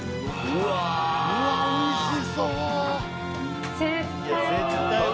うわおいしそう！